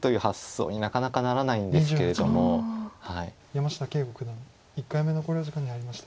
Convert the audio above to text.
山下敬吾九段１回目の考慮時間に入りました。